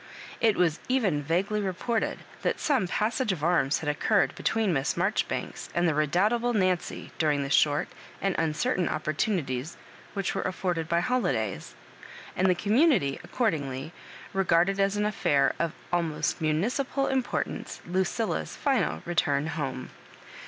It was even vaguely reported that some passage of arms had occurred between Miss Marjoribanks and the redoubtable Nanoy during the short and uncertain opportunities wiiioh were affprded by holidays; and the community, accordingly, re garded as an affair of almost municipal import ance Lucilla's final return home.